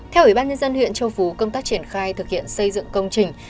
theo ủy ban nhân dân huyện châu phú công tác triển khai thực hiện xây dựng công trình